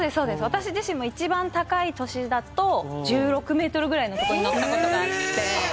私自身も一番高い年だと１６メートルぐらいのとこに乗った事があって。